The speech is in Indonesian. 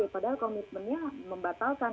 padahal komitmennya membatalkan